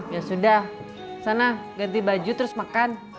ya sudah sana ganti baju terus makan